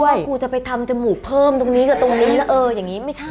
กูจะไปทำจมูกเพิ่มตรงนี้กับตรงนี้แล้วเอออย่างนี้ไม่ใช่